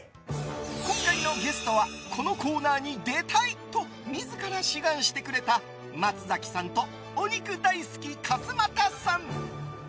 今回のゲストはこのコーナーに出たい！と自ら志願してくれた松崎さんとお肉大好き、勝俣さん。